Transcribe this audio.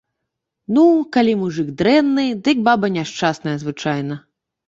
Ну, калі мужык дрэнны, дык баба няшчасная звычайна.